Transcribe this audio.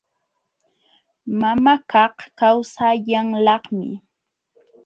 Mamakaq kawsayanlaqmi.